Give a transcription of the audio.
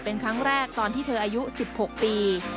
เป็นครั้งแรกตอนที่เธออายุ๑๖ปี